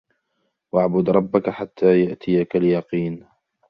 وَاعْبُدْ رَبَّكَ حَتَّى يَأْتِيَكَ الْيَقِينُ